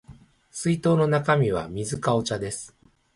水筒の中身は水かお茶です